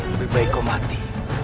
lebih baik kau mati